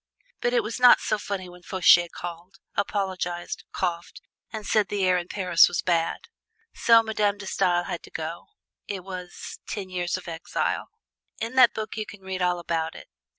But it was not so funny when Fouche called, apologized, coughed, and said the air in Paris was bad. So Madame De Stael had to go it was "Ten Years of Exile." In that book you can read all about it.